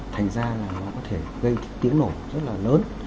thành ra là nó có thể gây tiếng nổ rất là lớn